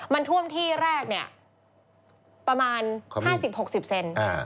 มันท่วมที่แรกเนี่ยประมาณ๕๐๖๐เซน